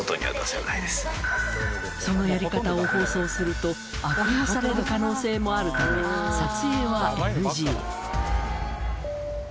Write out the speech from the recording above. そのやり方を放送すると悪用される可能性もあるため撮影はＮＧ